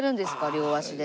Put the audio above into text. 両足で。